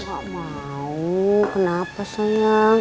gak mau kenapa sayang